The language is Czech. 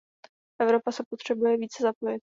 Evropa se potřebuje více zapojit.